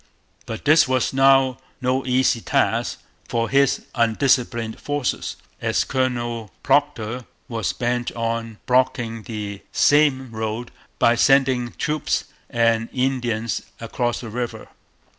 But this was now no easy task for his undisciplined forces, as Colonel Procter was bent on blocking the same road by sending troops and Indians across the river.